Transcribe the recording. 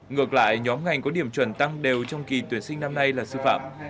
ngược lại nhóm ngành có điểm chuẩn tăng đều trong kỳ tuyển sinh năm nay là sư phạm